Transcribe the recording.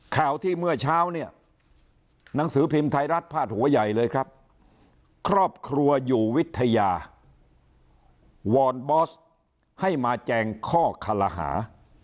ข่าวที่เมื่อเช้าเนี่ยหนังสือพิมพ์ไทยรัฐพาดหัวใหญ่เลยครับครอบครัวอยู่วิทยาวอนบอสให้มาแจงข้อคารหา